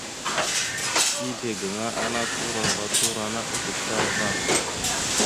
Ezle gaŋa ana turo ava turora naɗ adukətar ava.